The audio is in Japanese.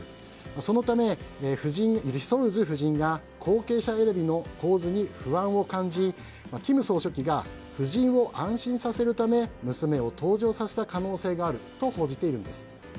そのためリ・ソルジュ夫人が後継者選びの構図に不安を感じ金総書記が夫人を安心させるため娘を登場させた可能性があると報じているんです。